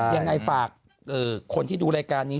ยังไงฝากคนที่ดูรายการนี้